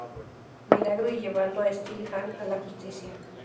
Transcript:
Milagro y llevando a Steel Hand a la justicia.